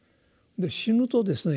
死ぬとですね